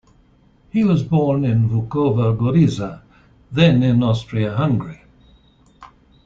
He was born in Vukova Gorica, then in Austria-Hungary.